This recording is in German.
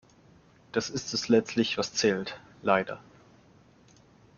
Das ist es letztlich was zählt, leider.